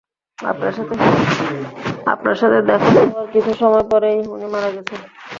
আপনার সাথে দেখা হওয়ার কিছু সময় পরেই উনি মারা গেছেন!